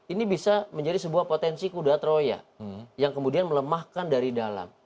ini bisa menjadi sebuah potensi kuda troya yang kemudian melemahkan dari dalam